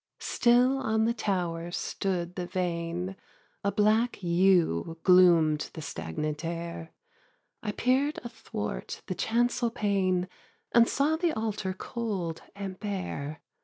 1. Still on the tower stood the vane, A black yew gloom'd the stagnant air, I peer'd athwart the chancel pane And saw the altar cold and bare.